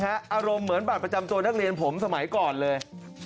อารมณ์เหมือนบัตรประจำตัวนักเรียนผมสมัยก่อนเลย